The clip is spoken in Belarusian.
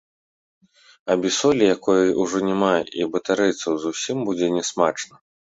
А без солі, якой ужо няма і ў батарэйцаў, зусім будзе нясмачная.